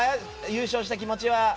優勝した気持ちは。